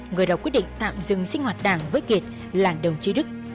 người đọc quyết định tạm dừng sinh hoạt đảng với kiệt là đồng chí đức